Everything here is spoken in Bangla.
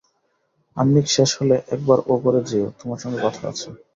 আহ্নিক শেষ হলে একবার ও ঘরে যেয়ো– তোমার সঙ্গে কথা আছে।